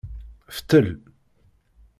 Ftel.